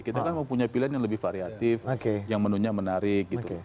kita kan mau punya pilihan yang lebih variatif yang menunya menarik gitu